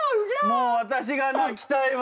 もう私が泣きたいわ。